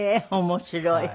面白い。